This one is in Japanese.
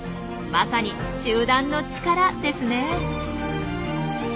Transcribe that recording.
まさに集団の力ですね。